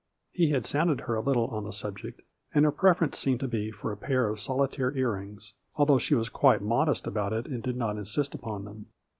He had sounded her a little on the subject, and her pref erence semed to be for a pair of solitaire ear rings, although she was quite modest about it and did not insist upon them.